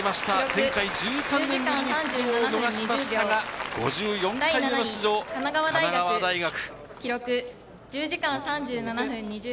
前回１３年ぶりに出場を逃しましたが、５４回目の出場、神奈川大学。